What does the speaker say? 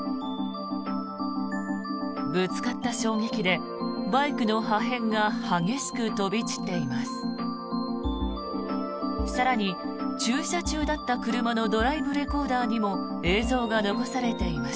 ぶつかった衝撃でバイクの破片が激しく飛び散っています。